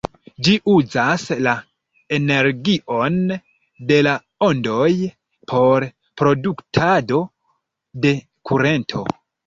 Ĝi uzas la energion de la ondoj por produktado de kurento.